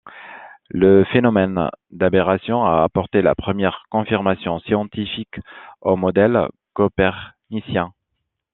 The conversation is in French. Le phénomène d'aberration a apporté la première confirmation scientifique au modèle copernicien.